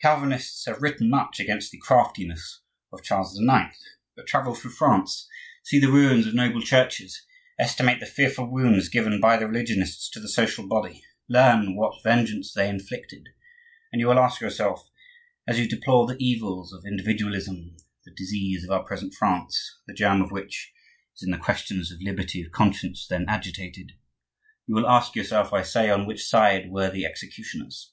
Calvinists have written much against the "craftiness" of Charles IX.; but travel through France, see the ruins of noble churches, estimate the fearful wounds given by the religionists to the social body, learn what vengeance they inflicted, and you will ask yourself, as you deplore the evils of individualism (the disease of our present France, the germ of which was in the questions of liberty of conscience then agitated),—you will ask yourself, I say, on which side were the executioners.